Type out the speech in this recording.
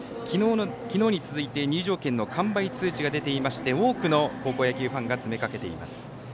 昨日に続いて入場券の完売通知が出ていまして多くの高校野球ファンが詰めかけています。